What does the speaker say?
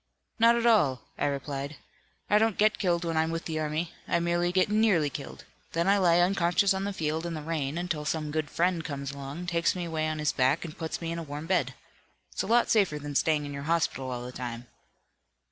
'Not at all,' I replied. 'I don't get killed when I'm with the army. I merely get nearly killed. Then I lie unconscious on the field, in the rain, until some good friend comes along, takes me away on his back and puts me in a warm bed. It's a lot safer than staying in your hospital all the time.'"